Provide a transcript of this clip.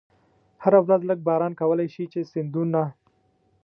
هره ورځ لږ باران کولای شي چې سیندونه.